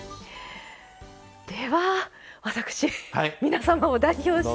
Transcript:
では私皆様を代表して。